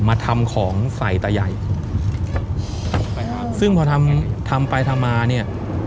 มาทำของใส่ตาใหญ่ไปครับซึ่งพอทำทำไปทำมาเนี่ย